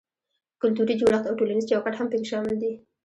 کلتوري جوړښت او ټولنیز چوکاټ هم پکې شامل دي.